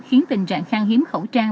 khiến tình trạng khang hiếm khẩu trang